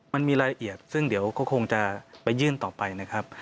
มันมีรายละเอียดซึ่งเดี๋ยวก็คงจะไปยื่นต่อไปนะครับ